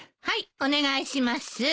はいお願いします。